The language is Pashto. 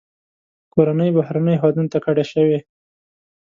کورنۍ بهرنیو هیوادونو ته کډه شوې.